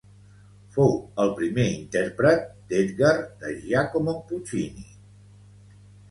Fou el primer intèrpret d'Edgar de Giacomo Puccini.